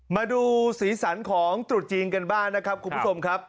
มาดูสีสันของตรุษจีนกันบ้างนะครับคุณผู้ชมครับ